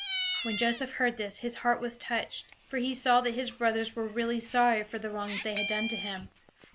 When Joseph heard this, his heart was touched, for he saw that his brothers were really sorry for the wrong that they had done to him.